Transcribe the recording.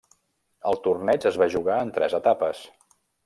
El torneig es va jugar en tres etapes.